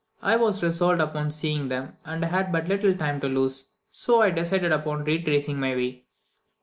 I was resolved upon seeing them, and had but little time to lose, so I decided upon retracing my way.